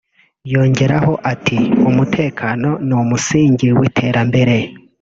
yongeraho ati ”Umutekano ni umusingi w’iterambere”